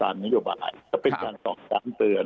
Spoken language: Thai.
เวลานโยบายเป็นการตอบการเตือน